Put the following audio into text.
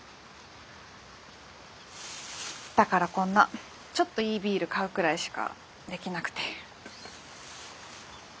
だからこんなちょっといいビール買うくらいしかできなくて。